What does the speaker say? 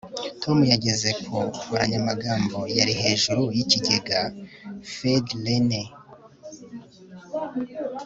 tom yageze ku nkoranyamagambo yari hejuru yikigega. (feudrenais